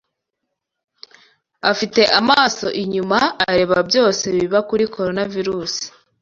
Afite amaso inyuma areba byose biba kuri Coronavirus